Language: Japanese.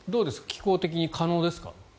気候的に可能ですか？